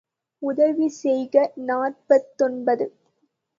உதவி செய்க நாற்பத்தொன்பது.